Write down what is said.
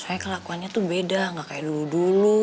saya kelakuannya tuh beda gak kayak dulu dulu